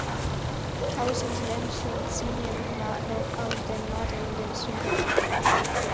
Tausende Menschen ziehen immer noch aus dem Norden in den Süden.